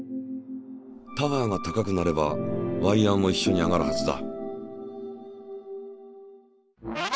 タワーが高くなればワイヤーもいっしょに上がるはずだ。